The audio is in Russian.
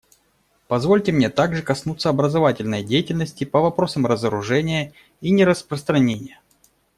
Позвольте мне также коснуться образовательной деятельности по вопросам разоружения и нераспространения.